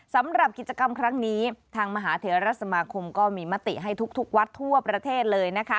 สำหรับกิจกรรมครั้งนี้ทางมหาเทรสมาคมก็มีมติให้ทุกวัดทั่วประเทศเลยนะคะ